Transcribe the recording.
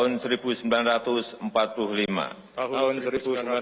negara republik indonesia